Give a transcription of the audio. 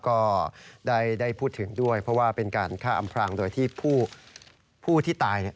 ก็ได้พูดถึงด้วยเพราะว่าเป็นการฆ่าอำพรางโดยที่ผู้ที่ตายเนี่ย